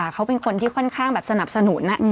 เขาเป็นคนที่ค่อนข้างแบบสนับสนุน